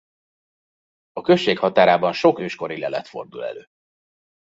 A község határában sok őskori lelet fordul elő.